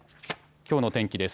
きょうの天気です。